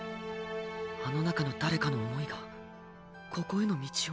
あの中の誰かの思いがここへの道を？